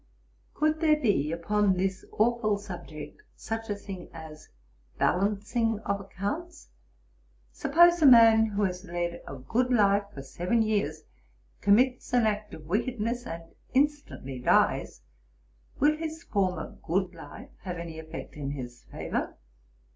Could there be, upon this aweful subject, such a thing as balancing of accounts? Suppose a man who has led a good life for seven years, commits an act of wickedness, and instantly dies; will his former good life have any effect in his favour?